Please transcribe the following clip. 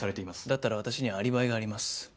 だったら私にはアリバイがあります。